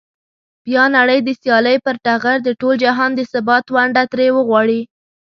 بیا نړۍ د سیالۍ پر ټغر د ټول جهان د ثبات ونډه ترې وغواړي.